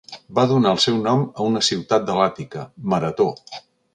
Va donar el seu nom a una ciutat de l'Àtica, Marató.